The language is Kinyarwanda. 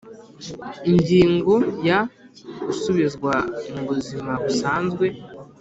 Ingingo ya gusubizwa mu buzima busanzwe